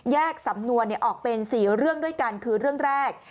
สำนวนออกเป็น๔เรื่องด้วยกันคือเรื่องแรก